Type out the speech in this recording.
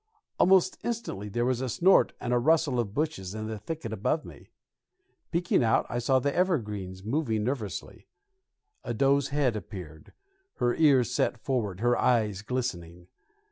Almost instantly there was a snort and a rustle of bushes in the thicket above me. Peeking out I saw the evergreens moving nervously; a doe's head appeared, her ears set forward, her eyes glistening.